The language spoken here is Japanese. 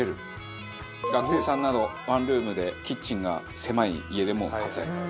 学生さんなどワンルームでキッチンが狭い家でも活躍と。